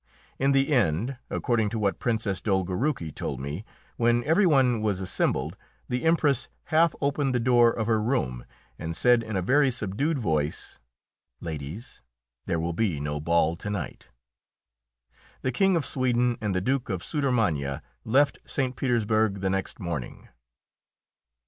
In the end, according to what Princess Dolgoruki told me, when every one was assembled, the Empress half opened the door of her room and said in a very subdued voice, "Ladies, there will be no ball to night." The King of Sweden and the Duke of Sudermania left St. Petersburg the next morning.